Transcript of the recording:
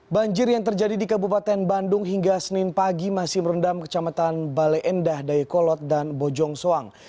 banjir yang terjadi di kabupaten bandung hingga senin pagi masih merendam kecamatan baleendah dayakolot dan bojongsoang